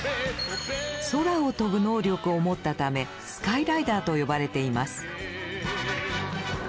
空を飛ぶ能力を持ったためスカイライダーと呼ばれています。